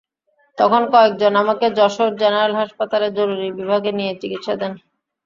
তখন কয়েকজন আমাকে যশোর জেনারেল হাসপাতালের জরুরি বিভাগে নিয়ে চিকিৎসা দেন।